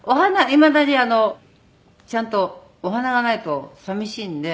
いまだにちゃんとお花がないと寂しいので。